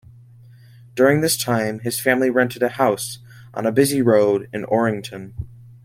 During this time his family rented a house on a busy road in Orrington.